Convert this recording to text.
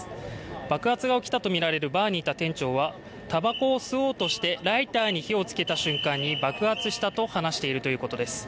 爆発が起きたとみられるバーにいた店長はたばこを吸おうとしてライターに火をつけた瞬間に爆発したと話しているということです。